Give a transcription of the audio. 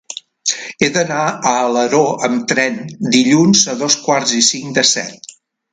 He d'anar a Alaró amb tren dilluns a dos quarts i cinc de set.